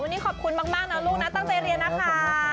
วันนี้ขอบคุณมากนะลูกนะตั้งใจเรียนนะคะ